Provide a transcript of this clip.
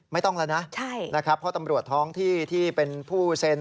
ไม่ต้องแล้วนะนะครับเพราะตำรวจท้องที่ที่เป็นผู้เซ็น